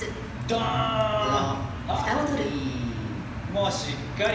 もうしっかり。